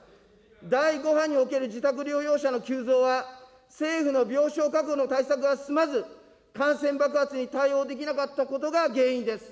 第５波における自宅療養者の急増は、政府の病床確保の対策が進まず、感染爆発に対応できなかったことが原因です。